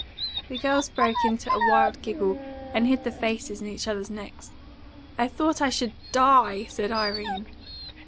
The girls broke into a wild giggle, and hid their faces in each other's necks. "I thought I SHOULD die," said Irene.